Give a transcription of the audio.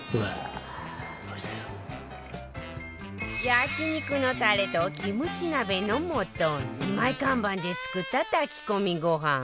焼肉のたれとキムチ鍋の素二枚看板で作った炊き込みご飯